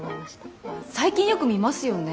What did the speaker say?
最近よく見ますよね。